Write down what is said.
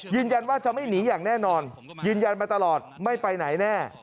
ยืนยันว่าจะไม่หนีอย่างแน่นอนยืนยันมาตลอดไม่ไปไหนแน่